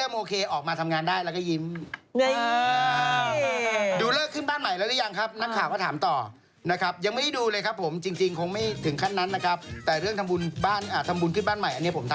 ร่างกายทำอะไรไม่ได้เขาพูดอย่างนั้นเหรอ